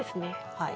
はい。